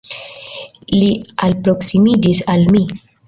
Li alproksimiĝis al mi.